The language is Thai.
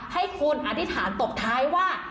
ให้คุณอธิษฐานตบท้ายว่า